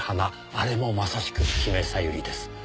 あれもまさしく姫小百合です。